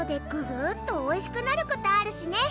ぐーっとおいしくなることあるしね！